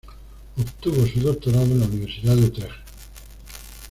Obtuvo su doctorado en la Universidad de Utrecht.